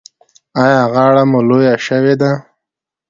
ایا غاړه مو لویه شوې ده؟